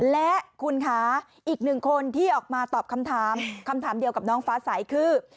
และคุณคะอีกหนึ่งคนที่ออกมาตอบคำถามคำถามเดียวกับน้องฟ้าสายคือ